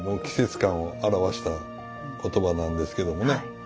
季節感を表した言葉なんですけどもね